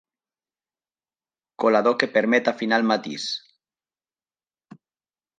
Colador que permet afinar el matís.